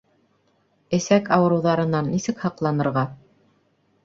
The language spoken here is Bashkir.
Эсәк ауырыуҙарынан нисек һаҡланырға?